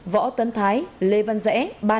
võ tấn thái lê văn rẽ